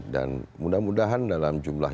dan mudah mudahan dalam jumlah